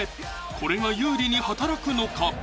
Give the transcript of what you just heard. これが有利に働くのか？